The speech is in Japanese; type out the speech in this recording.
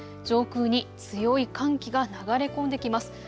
上空に強い寒気が流れ込んできます。